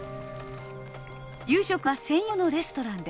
夕食は専用のレストランで。